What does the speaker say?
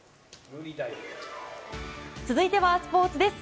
続いてはスポーツです。